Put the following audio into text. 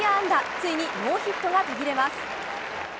ついにノーヒットが途切れます。